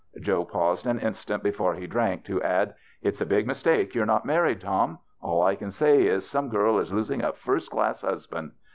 Joe paused an instant before he drank to add, " It's a big mistake you're not married, Tom. All I can say is some girl is losing a first class husband.